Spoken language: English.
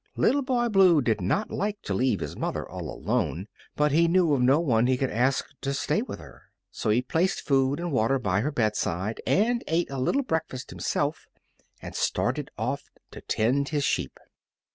Little Boy Blue did not like to leave his mother all alone, but he knew of no one he could ask to stay with her; so he placed food and water by her bedside, and ate a little breakfast himself, and started off to tend his sheep.